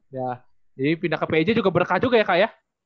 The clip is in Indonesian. jadi pindah ke pj juga berkah juga ya kak ya